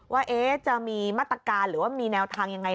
ว่าจะมีมาตรการหรือว่ามีแนวทางยังไง